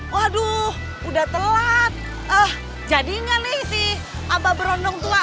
waduh udah telat eh jadi enggak nih si abah berondong tua